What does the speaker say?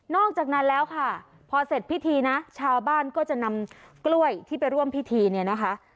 อกจากนั้นแล้วค่ะพอเสร็จพิธีนะชาวบ้านก็จะนำกล้วยที่ไปร่วมพิธีเนี่ยนะคะ